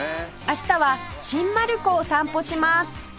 明日は新丸子を散歩します